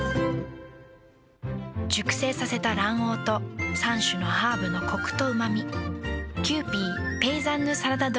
熟成させた卵黄と３種のハーブのコクとうま味。